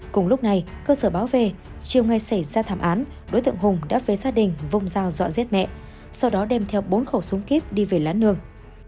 cùng lúc này cơ sở báo về chiều ngay xảy ra thảm án đối tượng hùng đáp với gia đình vùng rào dọa giết mẹ sau đó đem theo bốn khẩu súng kíp đi về lá nương